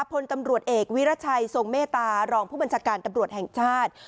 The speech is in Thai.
พลตำรวจเอกวิรัชัยทรงเมตตารองผู้บัญชาการตำรวจแห่งชาติ